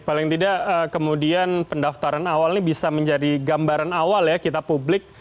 paling tidak kemudian pendaftaran awal ini bisa menjadi gambaran awal ya kita publik